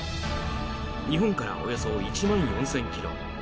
日本からおよそ１万４０００ｋｍ。